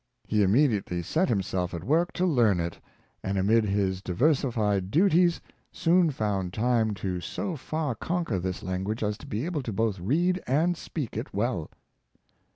He immediately set himself at work to learn it, and amid his diversified duties, soon found time to so far Apph'catton and Perseverance, 225 conquer this language as to be able to both read and speak it well.